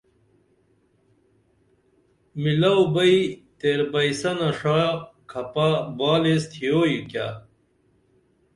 مِلو بئی تیر بئی سنہ ݜا کھپہ بال ایس تھیوئی کیہ